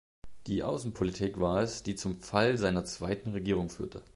Die Außenpolitik war es, die zum Fall seiner zweiten Regierung führte.